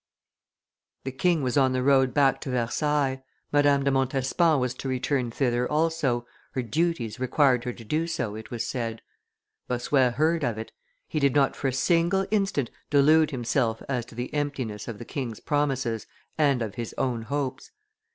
The king was on the road back to Versailles; Madame de Montespan was to return thither also, her duties required her to do so, it was said; Bossuet heard of it; he did not for a single instant delude himself as to the emptiness of the king's promises and of his own hopes.